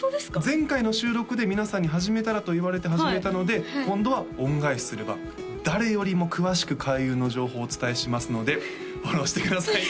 前回の収録で皆さんに「始めたら？」と言われて始めたので今度は恩返しする番誰よりも詳しく開運の情報をお伝えしますのでフォローしてください